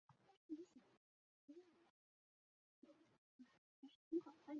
教育的目的在于充分发展人的个性并加强对人权和基本自由的尊重。